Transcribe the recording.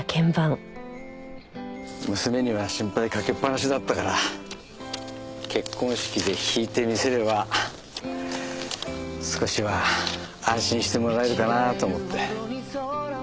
娘には心配かけっぱなしだったから結婚式で弾いてみせれば少しは安心してもらえるかなと思って。